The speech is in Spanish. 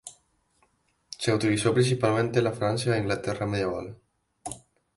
Se utilizó principalmente en la Francia e Inglaterra medieval.